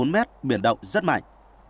ba bốn mét biển động rất mạnh